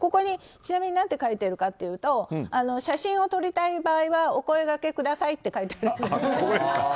ちなみに何て書いてあるかというと写真を撮りたい場合はお声がけくださいと書いてあるんです。